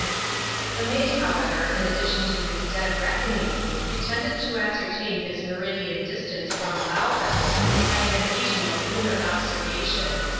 The mate, however, in addition to his " Dead Reckoning," pretended to ascertain his meridian distance from Bow beUs by an occasional lunar observation.